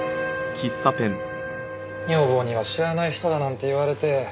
女房には知らない人だなんて言われて。